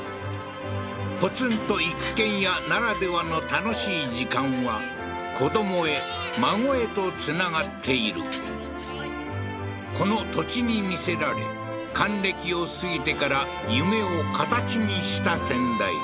ポツンと一軒家ならではの楽しい時間は子どもへ孫へとつながっているこの土地に魅せられ還暦を過ぎてから夢を形にした先代